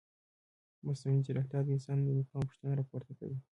مصنوعي ځیرکتیا د انسان د مقام پوښتنه راپورته کوي.